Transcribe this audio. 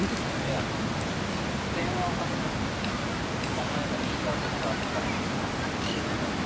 いや電話をかけたのはなお前に言いたいことがあったからなんだよ。